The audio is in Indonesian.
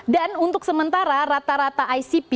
untuk sementara rata rata icp